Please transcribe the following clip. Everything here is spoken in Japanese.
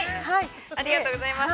◆ありがとうございます。